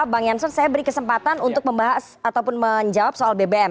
bang jansen saya beri kesempatan untuk membahas ataupun menjawab soal bbm